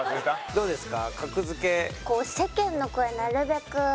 どうですか？